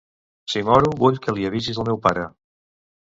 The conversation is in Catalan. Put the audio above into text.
Si moro, vull que li avisis al meu pare.